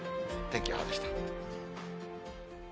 天気予報でした。